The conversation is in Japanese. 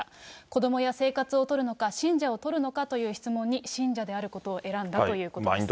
子どもや生活を取るのか、信者を取るのかという質問に、信者であることを選んだということです。